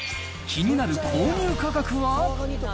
気になる購入価格は。